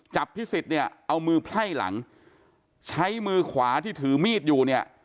พิสิทธิ์เนี่ยเอามือไพ่หลังใช้มือขวาที่ถือมีดอยู่เนี่ย